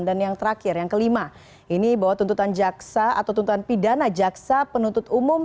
dan yang terakhir yang kelima ini bahwa tuntutan jaksa atau tuntutan pidana jaksa penuntut umum